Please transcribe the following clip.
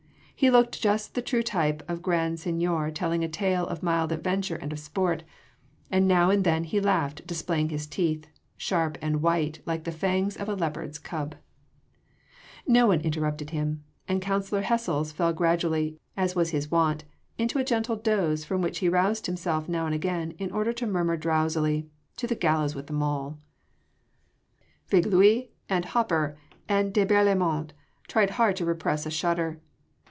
He looked just the true type of grand seigneur telling a tale of mild adventure and of sport, and now and then he laughed displaying his teeth, sharp and white like the fangs of a leopard’s cub. No one interrupted him, and Councillor Hessels fell gradually as was his wont into a gentle doze from which he roused himself now and again in order to murmur drowsily: "To the gallows with them all!" Viglius and Hopper and de Berlaymont tried hard to repress a shudder.